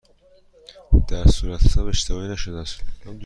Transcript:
در صورتحساب اشتباهی نشده است؟